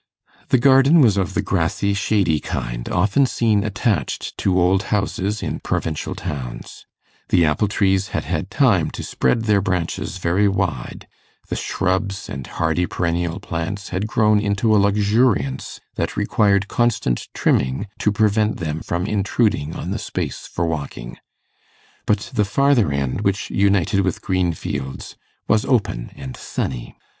The garden was of the grassy, shady kind, often seen attached to old houses in provincial towns; the apple trees had had time to spread their branches very wide, the shrubs and hardy perennial plants had grown into a luxuriance that required constant trimming to prevent them from intruding on the space for walking. But the farther end, which united with green fields, was open and sunny.